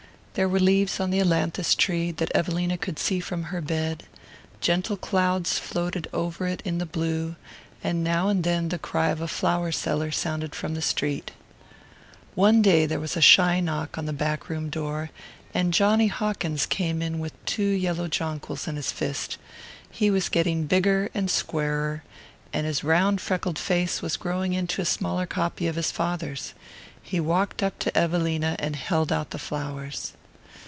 There were leaves on the ailanthus tree that Evelina could see from her bed, gentle clouds floated over it in the blue, and now and then the cry of a flower seller sounded from the street. One day there was a shy knock on the back room door, and Johnny Hawkins came in with two yellow jonquils in his fist. He was getting bigger and squarer, and his round freckled face was growing into a smaller copy of his father's. He walked up to Evelina and held out the flowers.